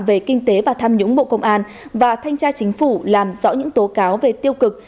về kinh tế và tham nhũng bộ công an và thanh tra chính phủ làm rõ những tố cáo về tiêu cực